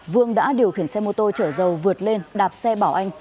vương đã điều khiển xe mô tô chở dầu vượt lên đạp xe bảo anh